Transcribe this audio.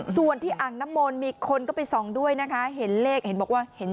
ส่วนที่อ่างน้ำมนต์มีคนก็ไปส่องด้วยนะคะเห็นเลขเห็นบอกว่าเห็น